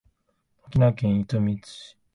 沖縄県糸満市